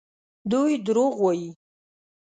دوی دروغ وايي.